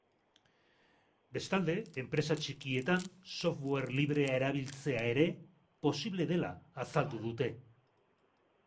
Bestalde, enpresa txikietan software librea erabiltzea ere posible dela azaldu dute.